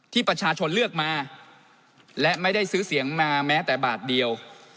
ที่ประชาชนเลือกมาและไม่ได้ซื้อเสียงมาแม้แต่บาทเดียว